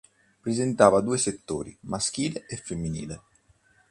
Presentava due settori: maschile e femminile.